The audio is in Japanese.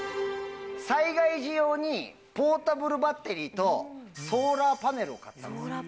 災害時用に、ポータブルバッテリーと、ソーラーパネルを買ったんです。